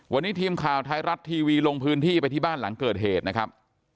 วันนี้ทีมข่าวไทยรัฐทีวีลงพื้นที่ไปที่บ้านหลังเกิดเหตุนะครับ